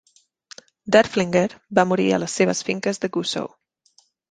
Derfflinger va morir a les seves finques de Gusow.